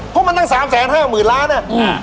พวกมันตั้ง๓๕หมื่นล้านน่ะ